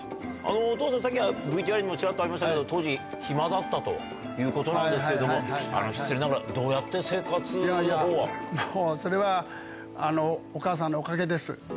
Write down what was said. お父さん、さっき、ＶＴＲにもちらっとありましたけど、当時、暇だったということなんですけど、あの、失礼ながら、どうやって生いやいや、もうそれは、お母さんのおかげです。